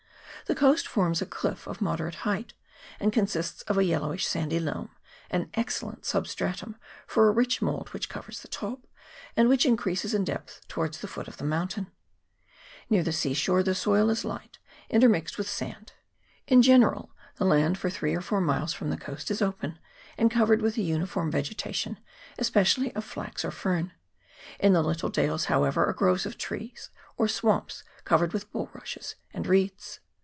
The coast forms a cliff of moderate height, and consists of a yellowish sandy loam an excellent substratum for a rich mould which covers the top, and which increases in depth towards the foot of the mountain. Near the sea shore the soil is light, intermixed with sand. In general the land for three or four miles from the coast is open, and covered with a uniform vegetation, especially of flax or fern ; in the little 140 SUGARLOAF ISLANDS. [PART I. dales, however, are groves of trees, or swamps covered with bulrushes and reeds.